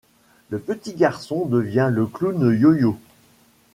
Le petit garçon devient le clown Yoyo.